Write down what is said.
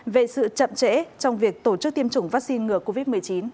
về sự chậm trễ trong việc tổ chức tiêm chủng vaccine ngừa covid một mươi chín